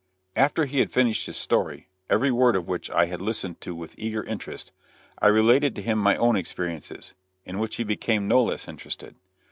After he had finished his story, every word of which I had listened to with eager interest, I related to him my own experiences, in which he became no less interested.